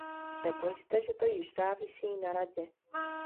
Řekl jste, že to již závisí na Radě.